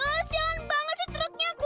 eh sian banget sih dreknya keluarin asap